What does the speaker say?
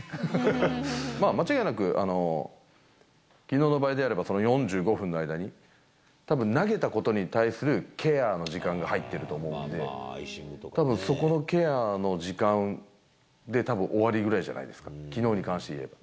まあ、間違いなく、きのうの場合であれば、その４５分の間に、たぶん投げたことに対するケアの時間が入っていると思うんで、たぶんそこのケアの時間で、たぶん終わりぐらいじゃないです